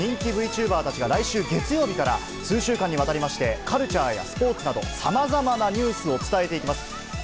チューバーたちが、来週月曜日から、数週間にわたりまして、カルチャーやスポーツなど、さまざまなニュースを伝えていきます。